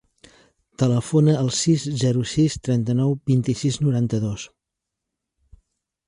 Telefona al sis, zero, sis, trenta-nou, vint-i-sis, noranta-dos.